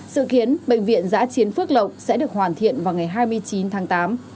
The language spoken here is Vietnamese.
sự khiến bệnh viện giã chiến quốc lộc sẽ được hoàn thiện vào ngày hai mươi chín tháng tám